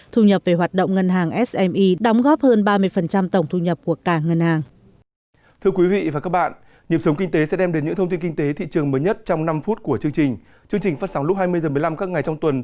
thu nhập về hoạt động ngân hàng sme đóng góp hơn ba mươi tổng thu nhập của cả ngân hàng